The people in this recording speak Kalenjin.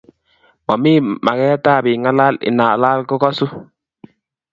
Mamie maget ab ingalal inalal ko kasu